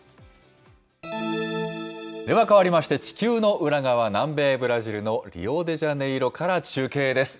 では変わりまして、地球の裏側、南米ブラジルのリオデジャネイロから中継です。